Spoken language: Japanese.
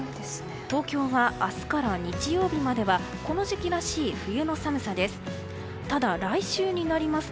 東京は明日から日曜日まではこの時期らしい冬の寒さです。